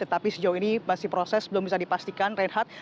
tetapi sejauh ini masih proses belum bisa dipastikan reinhardt